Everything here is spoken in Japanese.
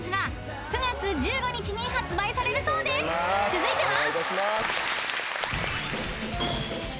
［続いては］